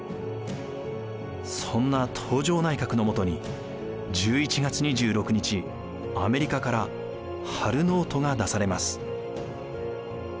そんな東条内閣のもとに１１月２６日アメリカからハル・ノートが出されます。